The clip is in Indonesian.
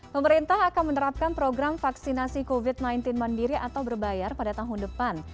pemerintah akan menerapkan program vaksinasi covid sembilan belas mandiri atau berbayar pada tahun depan